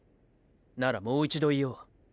ならもう一度言おう。